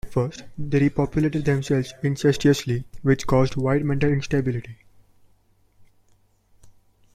At first they repopulated themselves incestuously, which caused wide mental instability.